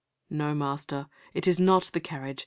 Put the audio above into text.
"No, master, it is not the carriage.